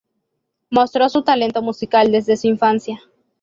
Mostró su talento musical desde su infancia.